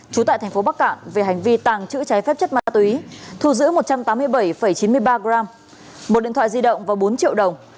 trú tại thành phố bắc cạn về hành vi tàng trữ trái phép chất ma túy thu giữ một trăm tám mươi bảy chín mươi ba g một điện thoại di động và bốn triệu đồng